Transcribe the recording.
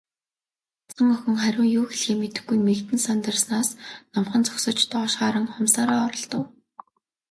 Бяцхан охин хариу юу хэлэхээ мэдэхгүй, мэгдэн сандарснаас номхон зогсож, доош харан хумсаараа оролдов.